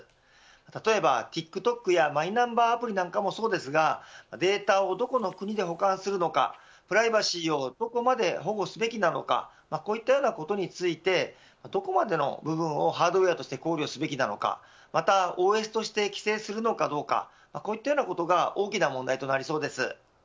例えばＴｉｋＴｏｋやマイナンバーアプリもそうですがデータをどこの国で保管するのかプライバシーをどこまで保護すべきなのかなどについてどこまでの部分をハードウエアとして考慮すべきかまたＯＳとして規制するのかどうかここが大きな問題となりそうです。